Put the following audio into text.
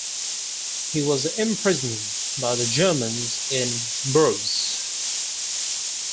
He was imprisoned by the Germans in Bourges.